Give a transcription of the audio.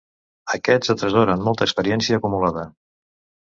Aquests atresoren molta experiència acumulada.